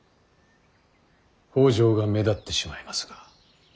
北条が目立ってしまいますが。